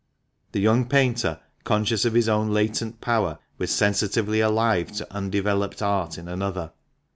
The young painter, conscious of his own latent power, was sensitively alive to undeveloped art in another.